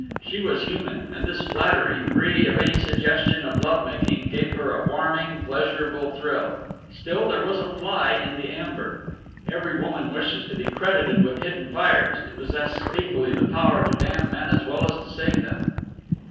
She was human; and this flattery, free of any suggestion of love making, gave her a warming, pleasurable thrill. Still there was a fly in the amber. Every woman wishes to be credited with hidden fires, to possess equally the power to damn men as well as to save them.